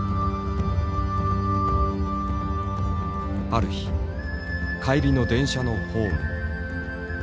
ある日帰りの電車のホーム。